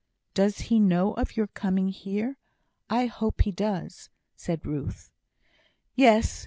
"Does he know of your coming here? I hope he does," said Ruth. "Yes.